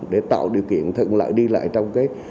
để tạo điều kiện thuận lợi đi lại trong cái